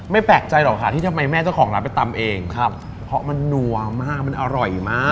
แปลกใจหรอกค่ะที่ทำไมแม่เจ้าของร้านไปตำเองครับเพราะมันนัวมากมันอร่อยมาก